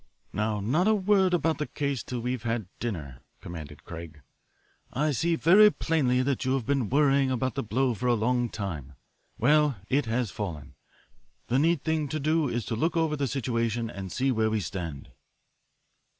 "Now not a word about the case till we have had dinner," commanded Craig. "I see very plainly that you have been worrying about the blow for a long time. Well, it has fallen. The neat thing to do is to look over the situation and see where we stand."